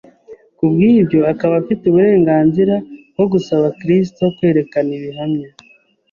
ku bw’ibyo akaba afite uburenganzira bwo gusaba Kristo kwerekana ibihamya